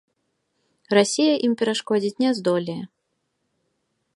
Расія ім перашкодзіць не здолее.